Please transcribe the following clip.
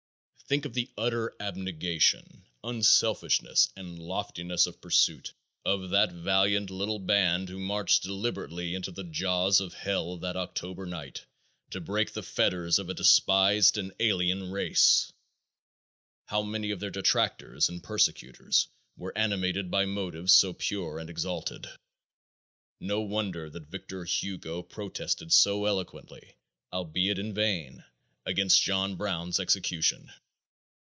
Think of the utter abnegation, unselfishness and loftiness of purpose of that valiant little band who marched deliberately into the jaws of hell that October night to break the fetters of a despised and alien race! How many of their detractors and persecutors were animated by motives so pure and exalted? No wonder that Victor Hugo protested so eloquently, albeit in vain, against John Brown's execution.